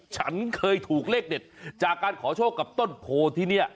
ฉันเคยถูกเลขเด็ดจากการขอโชคกับต้นโพที่นี่